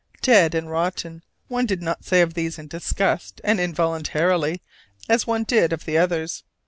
"Dead and rotten" one did not say of these in disgust and involuntarily as one did of the others.